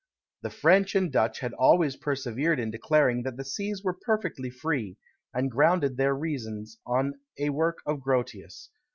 The French and Dutch had always persevered in declaring that the seas were perfectly free; and grounded their reasons on a work of Grotius.